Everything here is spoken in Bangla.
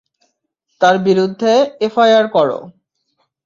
তার বিরুদ্ধে এফআইআর করো।